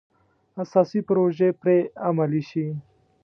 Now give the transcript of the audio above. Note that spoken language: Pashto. اساسي پروژې پرې عملي شي.